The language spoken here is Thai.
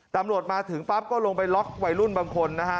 ตำรวจมาถึงปั๊บก็ลงไปล็อกวัยรุ่นบางคนนะฮะ